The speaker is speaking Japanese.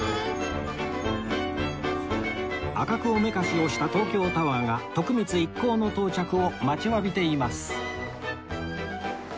赤くおめかしをした東京タワーが徳光一行の到着を待ちわびています